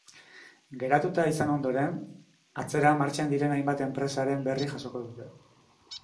Geratuta izan ondoren, atzera martxan diren hainbat enpresaren berri jasoko dute.